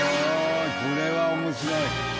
これは面白い。